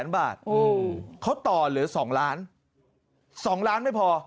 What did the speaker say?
บาทเขาต่อเหลือ๒ล้าน๒ล้านไม่พอ